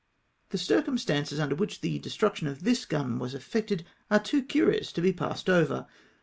The ckcumstances under wliich the destruction of this gun was effected, are too curious to be passed over.